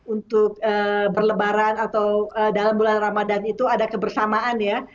untuk berlebaran atau dalam bulan ramadhan itu ada kebersamaan ya